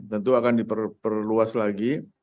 tentu akan diperluas lagi